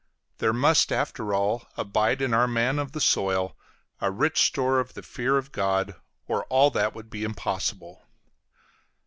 There must after all abide in our man of the soil a rich store of the fear of God, or all that would be impossible.